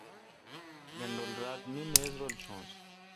گانڈل رات می میز رل چونس۔